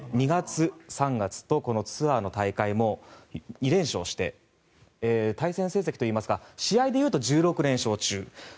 ２月、３月とツアーの大会も２連勝をして対戦成績といいますか試合でいうと１６連勝中。